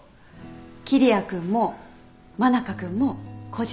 桐矢君も真中君も個人。